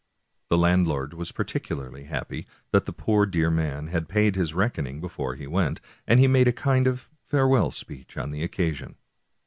The landlord was particularly happy that the poor dear man had paid his reckoning before he went, and made a kind of farewell speech on the occasion.